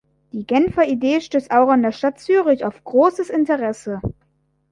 Die Genfer Idee stösst auch in der Stadt Zürich auf grosses Interesse.